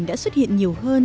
đã xuất hiện nhiều hơn